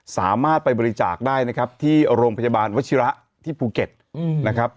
สามารถไปบริจาคได้นะครับที่โรงพยาบาลวัชิระที่ภูเก็ตนะครับ